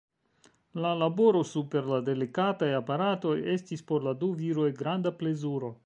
La laboro super la delikataj aparatoj estis por la du viroj granda plezuro.